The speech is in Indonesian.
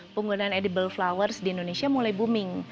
penggunaan edible flowers di indonesia mulai booming